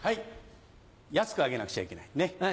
安くあげなくちゃいけないねっ。